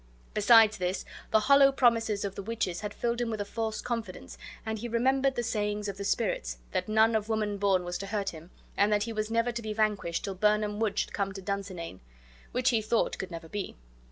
Besides this, the hollow promises of the witches had filled him with a false confidence, and he remembered the sayings of the spirits, that none of woman born was to hurt him, and that he was never to be vanquished till Birnam wood should come to Dunsinane, which he thought could never be.